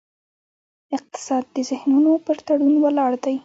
اقتصاد د ذهنونو پر تړون ولاړ دی.